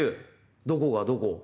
どこがどこを？